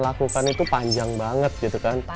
lakukan itu panjang banget gitu kan